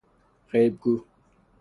غیب گو